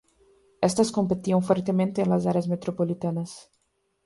Estas competían fuertemente en las áreas metropolitanas.